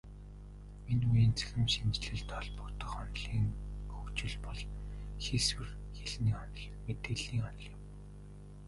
Энэ үеийн цахим хэлшинжлэлд холбогдох онолын хөгжил бол хийсвэр хэлний онол, мэдээллийн онол юм.